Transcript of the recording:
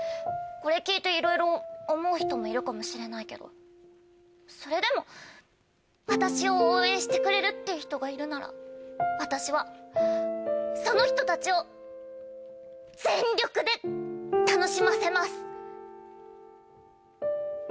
これ聞いていろいろ思う人もいるかもしれないけどそれでも私を応援してくれるっていう人がいるなら私はその人たちを全力で楽しませます！